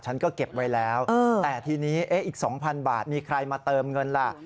ฉันก็เก็บไว้แล้วแต่ทีนี้อีก๒๐๐บาทมีใครมาเติมเงินล่ะ